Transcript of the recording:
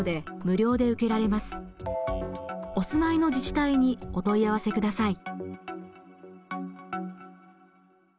お住まいの自治体にお問い合わせください。